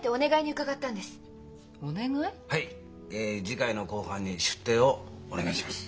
次回の公判に出廷をお願いします。